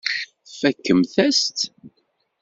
Tfakemt-as-tt.